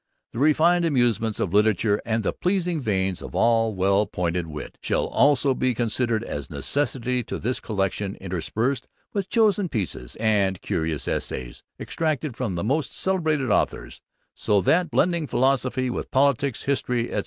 The refined amusements of LITERATURE, and the pleasing veins of well pointed wit, shall also be considered as necessary to this collection; interspersed with chosen pieces, and curious essays, extracted from the most celebrated authors; So that, blending PHILOSOPHY with POLITICKS, HISTORY, &c.